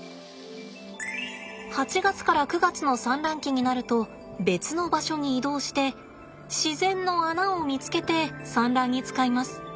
８月から９月の産卵期になると別の場所に移動して自然の穴を見つけて産卵に使います。